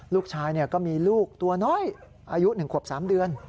ลูกชายก็มีลูกตัวน้อยอายุ๑ขวบ๓เดือน